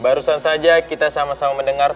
barusan saja kita sama sama mendengar